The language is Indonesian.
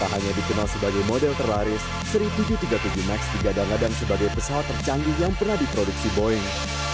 tak hanya dikenal sebagai model terlaris seri tujuh ratus tiga puluh tujuh max digadang gadang sebagai pesawat tercanggih yang pernah diproduksi boeing